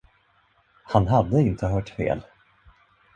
Han hade inte hört fel.